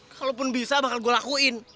kalaupun bisa bakal gue lakuin